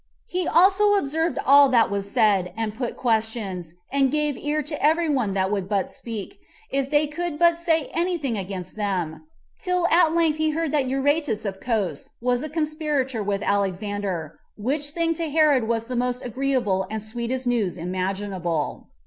He also observed all that was said, and put questions, and gave ear to every one that would but speak, if they could but say any thing against them, till at length he heard that Euaratus of Cos was a conspirator with Alexander; which thing to Herod was the most agreeable and sweetest news imaginable.